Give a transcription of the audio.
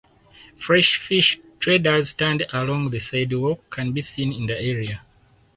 Fresh fish traders stand along the sidewalk can be seen in the area.